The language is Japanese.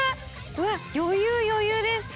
うわっ余裕余裕です。